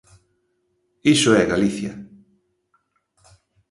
Iso é Galicia.